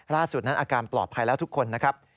ล่าสุดนั้นอาการปลอดภัยแล้วทุกคนนะครับ